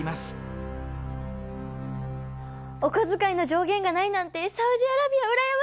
お小遣いの上限がないなんてサウジアラビア羨ましい！